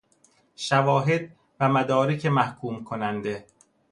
شواهد و مدارک محکوم کننده